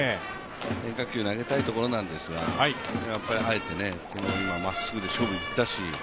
変化球を投げたいところなんですがこの今まっすぐで勝負したし。